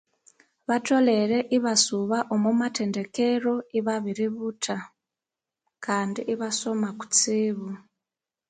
Batholere ibasuba omu amathendekero ibabiri butha kandi iba soma kutsibu